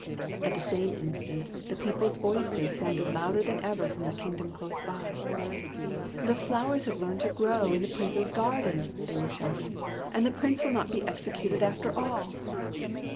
At the same instant, the people s voices sounded louder than ever from the kingdom close by. *' The flowers have learned the way to grow in the Prince's garden/' they were shouting; " and the Prince will not be executed, after all